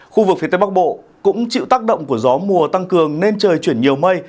khu vực phía tây bắc bộ cũng chịu tác động của gió mùa tăng cường nên trời chuyển nhiều mây